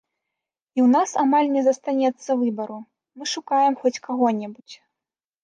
І ў нас амаль не застанецца выбару, мы шукаем хоць каго-небудзь.